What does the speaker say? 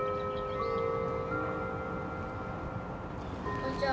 こんにちは。